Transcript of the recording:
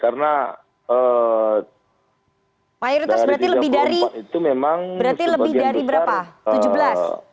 karena mayoritas berarti lebih dari berapa tujuh belas